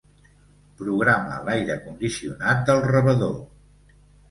Programa l'aire condicionat del rebedor.